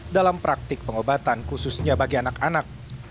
dalam praktik pengobatan khususnya bagi anak anak